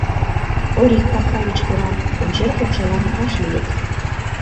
Орик капка гыч пура, кончер покшелан вашлийыт.